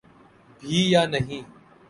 بھی یا نہیں۔